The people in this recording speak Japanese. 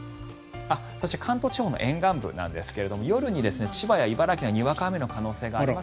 そして、関東地方の沿岸部ですが夜に千葉や茨城ではにわか雨の可能性があります。